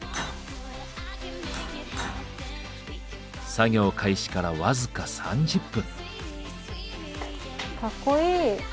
作業開始から僅か３０分。